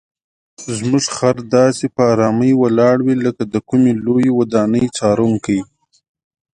زموږ خر داسې په آرامۍ ولاړ وي لکه د کومې لویې ودانۍ څارونکی.